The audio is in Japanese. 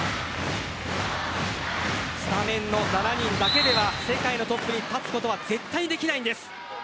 スタメンの７人だけでは世界のトップに立つことは絶対できないんです。